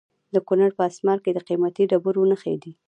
د کونړ په اسمار کې د قیمتي ډبرو نښې دي.